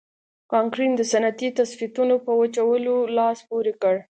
کانکرین د صنعتي ظرفیتونو په وچولو لاس پورې کړ.